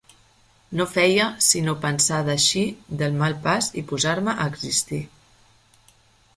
No feia sinó pensar d'eixir del mal pas i posar-me a existir.